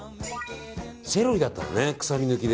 セロリだったらね、臭み抜きで。